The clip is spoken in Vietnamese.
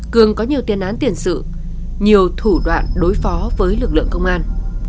cường có nhiều tiền án tiền sự nhiều thủ đoạn đối phó với lực lượng công an